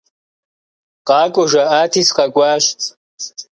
Къакӏуэ жаӏати, сыкъэкӏуащ.